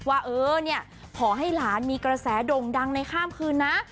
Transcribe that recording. ว่าเออเนี่ยขอให้หลานมีกระแสด่งดังในข้ามคืนนะ